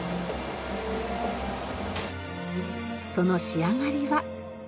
その仕上がりは。